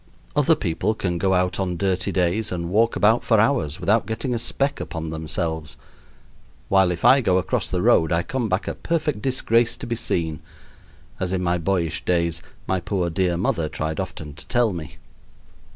Other people can go out on dirty days and walk about for hours without getting a speck upon themselves; while if I go across the road I come back a perfect disgrace to be seen (as in my boyish days my poor dear mother tried often to tell me).